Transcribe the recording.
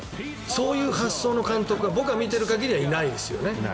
そういう発想の監督が僕が見ている限りはいないですよね